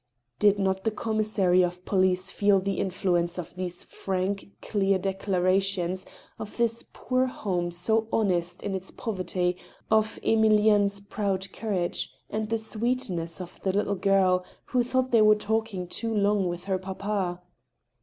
Did* not the commissary of police feel the influence of these frank, clear declarations, of this poor home so honest in its poverty, of Emilienne's proud courage, and the sweetness of the little girl, who tliought they were talking too long with her papa?